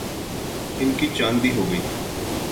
ان کی چاندی ہو گئی۔